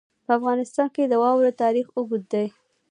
په افغانستان کې د واوره تاریخ اوږد دی.